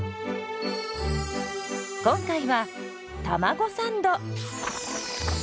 今回はたまごサンド。